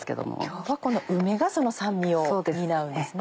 今日はこの梅がその酸味を担うんですね。